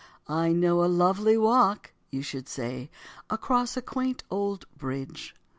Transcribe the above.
"I know a lovely walk," you should say, "across a quaint old bridge."